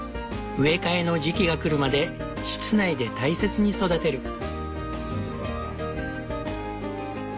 植え替えの時期が来るまで室内で大切に育てる。